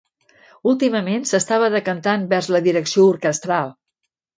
Últimament s'estava decantant vers la direcció orquestral.